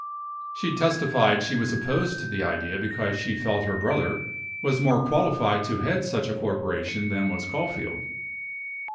She testified she was opposed to the idea because she felt her brother was more qualified to head such a corporation than was Caulfield.